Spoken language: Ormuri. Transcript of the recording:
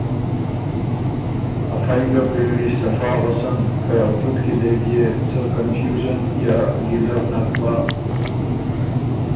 افئ ګۀ پېري صفا غؤسن که څُټکی دې بيې څۀ کنفیوژن یا ګیلۀ نک بَۀ۔